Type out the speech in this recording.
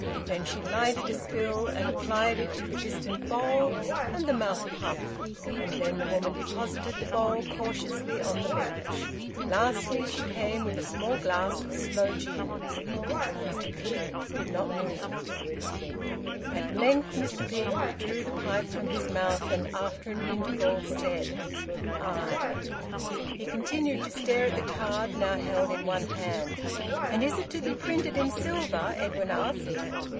Then she lighted a spill and applied it to the distant bowl, and the mouth puffed; and then the woman deposited the bowl cautiously on the bench. Lastly, she came with a small glass of sloe gin. Mr Peake did not move. At length Mr Peake withdrew the pipe from his mouth, and after an interval said "Aye!" He continued to stare at the card, now held in one hand. "And is it to be printed in silver?" Edwin asked.